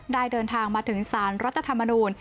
ได้เดินทางมาถึงศานรัฐธรรมนูร